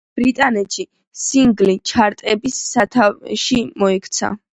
ბრიტანეთში სინგლი ჩარტების სათავეში მოექცა.